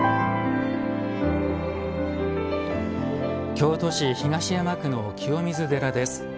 京都市東山区の清水寺です。